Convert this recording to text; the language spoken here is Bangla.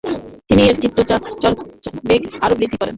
তিনি তার চিত্র চর্চার বেগ আরও বৃদ্ধি করেন।